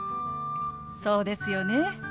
そうですよね。